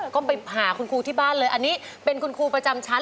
ก็ไปหาคุณครูที่บ้านเลยอันนี้เป็นคุณครูประจำชั้น